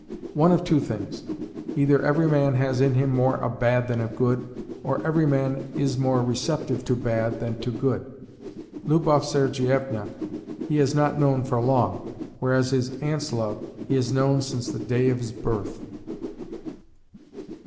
One of two things: either every man has in him more of bad than of good, or every man is more receptive to bad than to good. Lubov Sergievna he has not known for long, whereas his aunt's love he has known since the day of his birth."